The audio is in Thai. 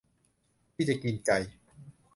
ที่จะกินใจ